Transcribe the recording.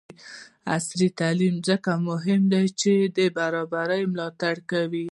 عصري تعلیم مهم دی ځکه چې برابري ملاتړ کوي.